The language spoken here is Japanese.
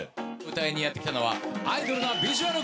歌いにやって来たのはアイドルなビジュアルクイーン。